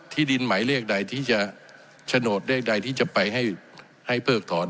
ที่ดินหมายเลขใดที่จะโฉนดเลขใดที่จะไปให้เพิกถอน